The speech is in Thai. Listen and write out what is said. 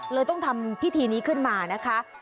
เลยต้องทำพิธีนี้ขึ้นมานะคะ